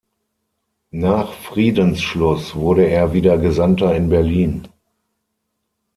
Nach Friedensschluss wurde er wieder Gesandter in Berlin.